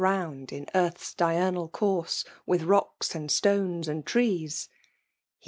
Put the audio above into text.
Whirl^Msnd io earth's diurnal comMi With .rocks, and stones, and trees. He